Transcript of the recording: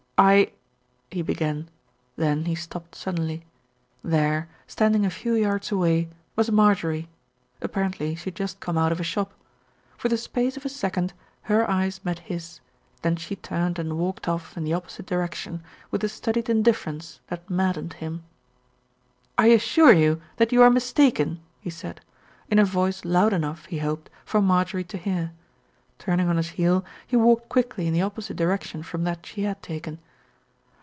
"I " he began, then he stopped suddenly. There, standing a few yards away, was Marjorie. Appar ently she had just come out of a shop. For the space of a second her eyes met his, then she turned and walked off in the opposite direction, with a studied indifference that maddened him. "I assure you that you are mistaken," he said, in a voice loud enough, he hoped, for Marjorie to hear. Turning on his heel, he walked quickly in the opposite direction from that she had taken.